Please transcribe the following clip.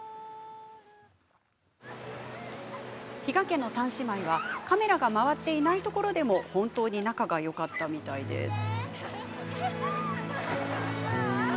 比嘉家の三姉妹はカメラが回っていないところでも本当に仲がよかったみたいですね。